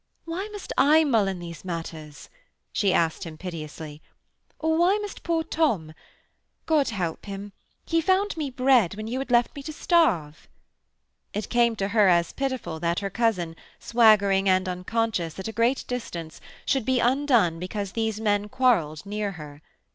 'Why must I mull in these matters?' she asked him piteously, 'or why must poor Tom? God help him, he found me bread when you had left me to starve.' It came to her as pitiful that her cousin, swaggering and unconscious, at a great distance, should be undone because these men quarrelled near her.